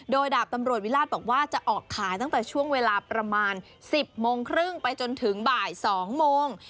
โดยดาบตำรวจวิราชบอกว่าจะออกขายตั้งแต่ช่วงเวลาประมาณ๑๐โมงครึ่งไปจนถึงบ่าย๒โมง